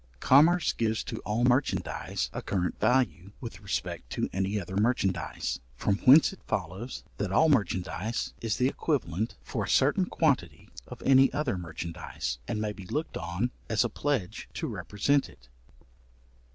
Commerce gives to all merchandize a current value with respect to any other merchanize; from whence it follows that all merchandize is the equivalent for a certain quantity of any other merchandize, and may be looked on as a pledge to represent it.